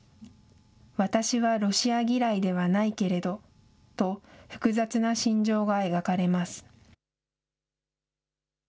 私はロシア嫌いではないけれどと複雑な心情が描かれます。